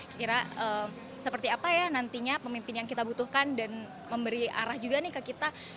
kira kira seperti apa ya nantinya pemimpin yang kita butuhkan dan memberi arah juga nih ke kita